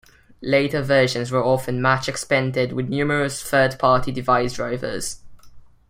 Later versions were often much expanded with numerous third-party device drivers.